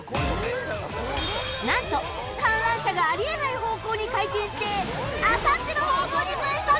なんと観覧車があり得ない方向に回転してあさっての方向にぶっ飛び！